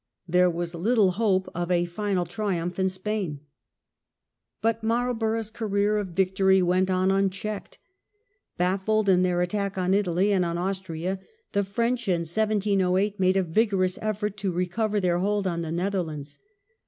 There was little hope of a final triumph in Spain. But Marlborough's career of victory went on unchecked. Baffled in their attack on Italy and on Austria, the French in 1 708 made a vigorous effort to recover their hold on the Netherlands.